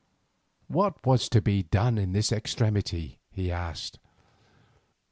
What was to be done in this extremity? he asked.